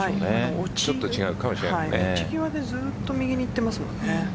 落ち際でずっと右にいっていますもんね。